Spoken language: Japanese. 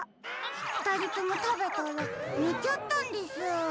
ふたりともたべたらねちゃったんです。